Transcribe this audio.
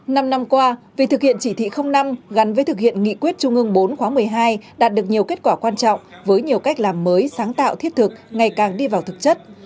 năm năm qua việc thực hiện chỉ thị năm gắn với thực hiện nghị quyết trung ương bốn khóa một mươi hai đạt được nhiều kết quả quan trọng với nhiều cách làm mới sáng tạo thiết thực ngày càng đi vào thực chất